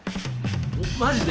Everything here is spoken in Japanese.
マジで？